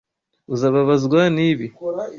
Uzababazwa nibi.